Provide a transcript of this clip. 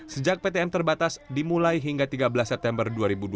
sejak ptm terbatas dimulai hingga tiga belas september dua ribu dua puluh